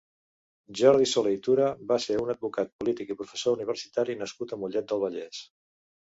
Jordi Solé i Tura va ser un advocat, polític i professor universitari nascut a Mollet del Vallès.